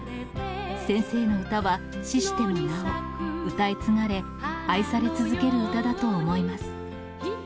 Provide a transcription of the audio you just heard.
先生の歌は死してもなお、歌い継がれ、愛され続ける歌だと思います。